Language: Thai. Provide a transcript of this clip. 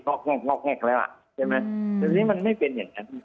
อกแห้งงอกแห้งแล้วอ่ะใช่ไหมทีนี้มันไม่เป็นอย่างนั้น